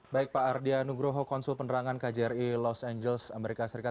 baik pak ardia nugroho konsul penerangan kjri los angeles amerika serikat